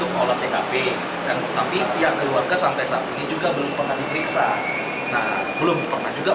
untuk olah tkp tapi yang keluarga sampai saat ini juga belum pernah diperiksa belum pernah juga